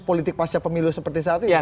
politik pasca pemilu seperti saat ini